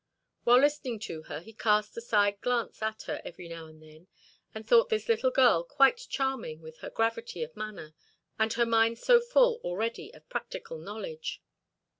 While listening to her, he cast a side glance at her, every now and then, and thought this little girl quite charming with her gravity of manner and her mind so full already of practical knowledge.